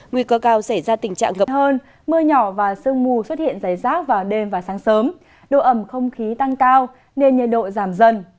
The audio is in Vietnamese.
nguy cơ cao xảy ra tình trạng ngập hơn mưa nhỏ và sương mù xuất hiện dày rác vào đêm và sáng sớm độ ẩm không khí tăng cao nên nhiệt độ giảm dần